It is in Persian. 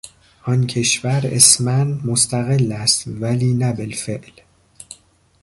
آن کشور اسما مستقل است ولی نه بالفعل